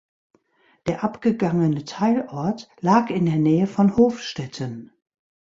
Der abgegangene Teilort lag in der Nähe von Hofstetten.